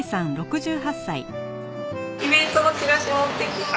イベントのチラシ持ってきました。